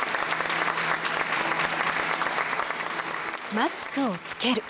マスクをつける。